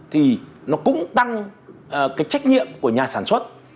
thì nó cũng tăng cái trách nhiệm của nhà sản xuất